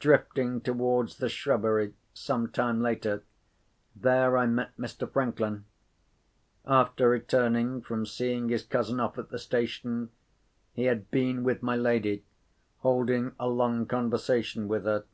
Drifting towards the shrubbery, some time later, there I met Mr. Franklin. After returning from seeing his cousin off at the station, he had been with my lady, holding a long conversation with her.